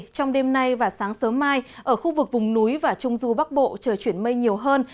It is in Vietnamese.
trong đêm nay và sáng sớm mai ở khu vực vùng núi và trung du bắc bộ trời chuyển mây nhiều hơn